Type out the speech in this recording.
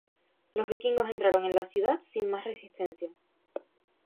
Los vikingos entraron en la ciudad sin más resistencia.